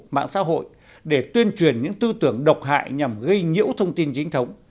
mạng xã hội để tuyên truyền những tư tưởng độc hại nhằm gây nhiễu thông tin chính thống